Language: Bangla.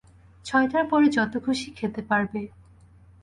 ছয়টার পরে যত খুশি খেতে পারবে।